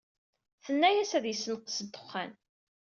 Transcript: Tenna-yas ad yessenqes ddexxan.